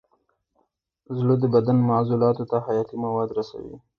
زړه د بدن عضلاتو ته حیاتي مواد رسوي.